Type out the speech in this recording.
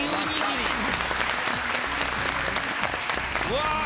うわ！